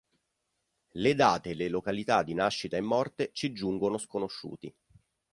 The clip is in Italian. Le date e le località di nascita e morte ci giungono sconosciuti.